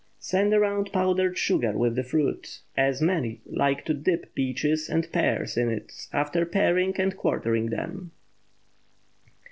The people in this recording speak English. Send around powdered sugar with the fruit, as many like to dip peaches and pears in it after paring and quartering them.